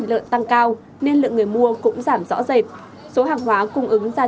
số hàng hóa cung ứng giá thịt lợn tăng cao nên lượng người mua cũng giảm rõ rệt